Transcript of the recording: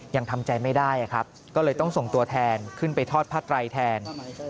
ยังทำใจไม่ได้ครับก็เลยต้องส่งตัวแทนขึ้นไปทอดผ้าไตรแทน